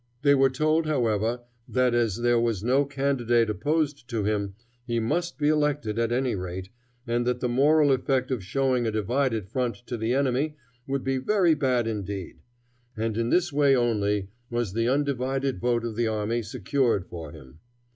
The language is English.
They were told, however, that as there was no candidate opposed to him, he must be elected at any rate, and that the moral effect of showing a divided front to the enemy would be very bad indeed; and in this way only was the undivided vote of the army secured for him.